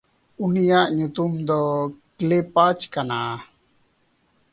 ᱩᱱᱤᱭᱟᱜ ᱧᱩᱛᱩᱢ ᱫᱚ ᱠᱞᱮᱯᱟᱪ ᱠᱟᱱᱟ᱾